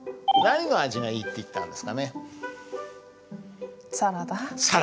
何の味がいいって言ったんですかね？